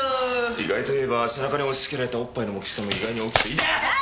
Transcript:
意外といえば背中に押し付けられたオッパイの大きさも意外に大きいいてっ！